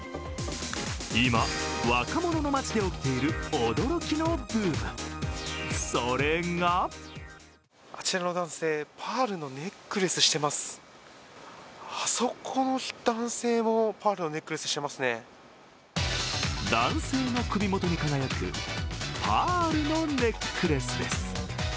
今、若者の街で起きている驚きのブーム、それが男性の首元に輝くパールのネックレスです。